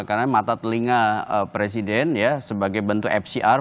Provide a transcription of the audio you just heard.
karena mata telinga presiden ya sebagai bentuk fcr